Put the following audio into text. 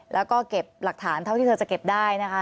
แล้วก็เก็บหลักฐานเท่าที่เธอจะเก็บได้นะคะ